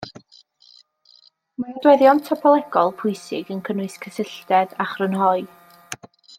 Mae nodweddion topolegol pwysig yn cynnwys cysylltedd a chrynhoi.